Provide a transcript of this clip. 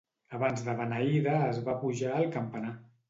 Abans de beneïda es va pujar al campanar.